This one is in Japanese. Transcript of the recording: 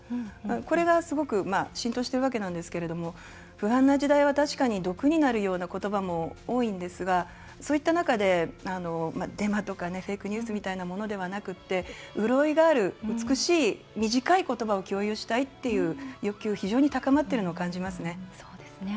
これがすごく浸透しているわけなんですけれど不安な時代は確かに毒になるような言葉も多いんですがそういった中でデマとかフェイクニュースみたいなものではなくて潤いがある、美しい短い言葉を共有したいっていう欲求非常に高まっているのを感じますね。